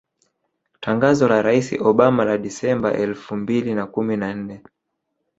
Tangazo la Rais Obama la Disemba elfu mbili na kumi na nne